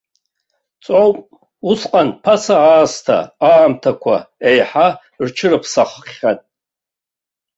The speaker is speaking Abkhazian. Ҵоуп, усҟан ԥаса аасҭа аамҭақәа еиҳа рҽырԥсаххьан.